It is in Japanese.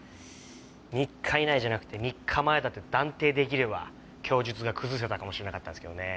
３日以内じゃなくて３日前だって断定出来れば供述が崩せたかもしれなかったんですけどね。